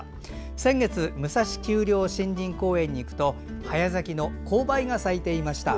先月、武蔵丘陵森林公園に行くと早咲きの紅梅が咲いていました。